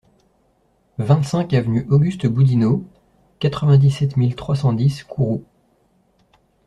vingt-cinq avenue Auguste Boudinot, quatre-vingt-dix-sept mille trois cent dix Kourou